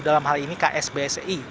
dalam hal ini ksbsi